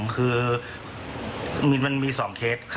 คือมันมีสองเคส